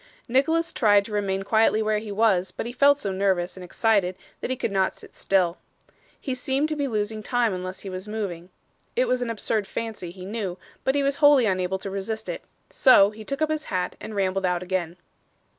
Nicholas tried to remain quietly where he was, but he felt so nervous and excited that he could not sit still. He seemed to be losing time unless he was moving. It was an absurd fancy, he knew, but he was wholly unable to resist it. So, he took up his hat and rambled out again.